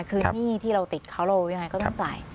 คือหนี้ที่เราติดเขาเรายังไงก็ต้องจ่าย